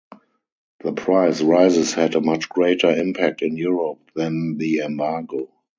The price rises had a much greater impact in Europe than the embargo.